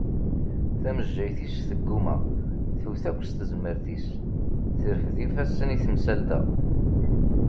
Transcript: Tamejjayt-is tegguma, tewwet akk s tezmert-is, terfed ifassen i temsalt-a.